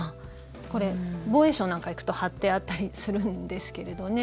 これ、防衛省なんか行くと貼ってあったりするんですけど。